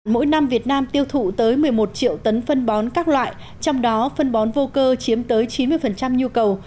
mỗi năm việt nam tiêu thụ tới một mươi một triệu tấn phân bón các loại trong đó phân bón vô cơ chiếm tới chín mươi nhu cầu